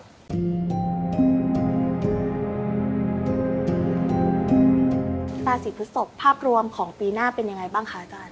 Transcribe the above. ราศีพฤศพภาพรวมของปีหน้าเป็นยังไงบ้างคะอาจารย